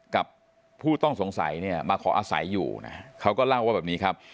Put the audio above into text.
กับผู้ต้องสงสัยเนี่ยมาขออาศัยอยู่นะเขาก็เล่าว่าแบบนี้ครับ